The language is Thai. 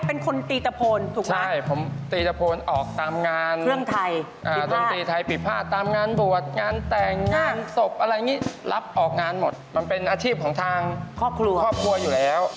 พี่แรมสวัสดีครับพี่แรม